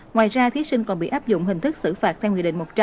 ngoài ra thí sinh còn bị áp dụng hình thức xử phạt theo nghị định một trăm linh